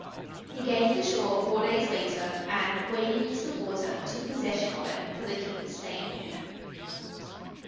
He gained the shore four days later, and, wading into the water, took possession of it for the King of Spain.